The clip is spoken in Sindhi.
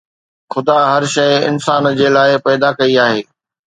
خدا هر شيءِ انسان جي لاءِ پيدا ڪئي آهي